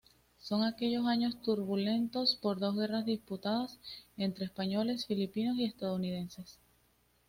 Son aquellos años turbulentos por dos guerras disputadas entre españoles, filipinos y estadounidenses.